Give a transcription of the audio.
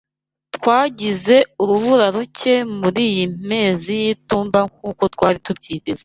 Twagize urubura ruke muriyi mezi y'itumba nkuko twari tubyiteze.